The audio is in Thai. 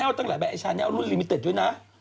มีแชนเนี่ยลแต่แชนเนี่ยลลูมลิมิเติตดูดินะ